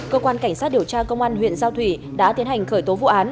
cơ quan cảnh sát điều tra công an huyện giao thủy đã tiến hành khởi tố vụ án